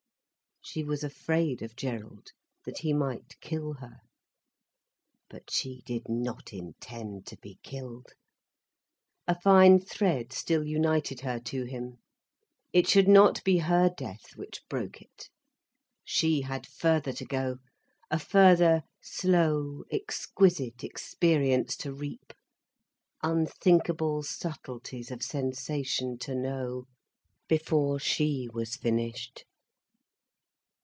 She was afraid of Gerald, that he might kill her. But she did not intend to be killed. A fine thread still united her to him. It should not be her death which broke it. She had further to go, a further, slow exquisite experience to reap, unthinkable subtleties of sensation to know, before she was finished.